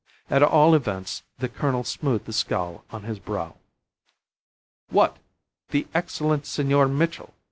At all events, the colonel smoothed the scowl on his brow. "What! The excellent Senor Mitchell!"